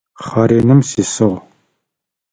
Хъэреным сисыгъ.